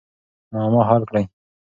معما حل کړئ.